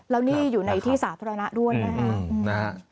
แล้วนี่อยู่ในที่สาธารณะด้วยนะคะ